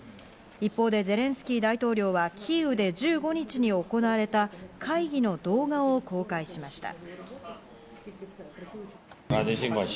一方でゼレンスキー大統領はキーウで１５日に行われた会議の動画を公開しました。